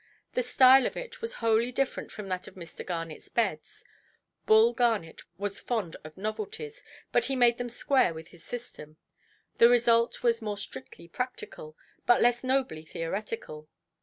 The style of it was wholly different from that of Mr. Garnetʼs beds. Bull Garnet was fond of novelties, but he made them square with his system; the result was more strictly practical, but less nobly theoretical.